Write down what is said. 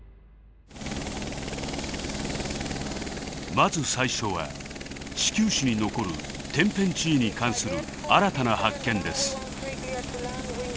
まず最初は地球史に残る天変地異に関する新たな発見です。